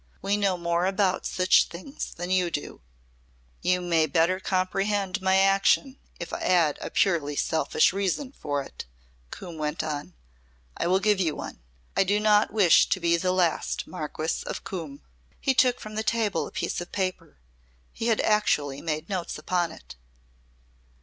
We know more about such things than you do." "You may better comprehend my action if I add a purely selfish reason for it," Coombe went on. "I will give you one. I do not wish to be the last Marquis of Coombe." He took from the table a piece of paper. He had actually made notes upon it.